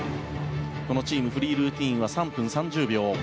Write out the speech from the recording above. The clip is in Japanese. このチームフリールーティンは３分３０秒。